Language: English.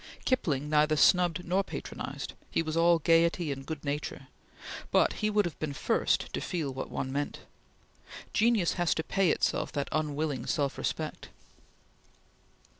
Kipling neither snubbed nor patronized; he was all gaiety and good nature; but he would have been first to feel what one meant. Genius has to pay itself that unwilling self respect.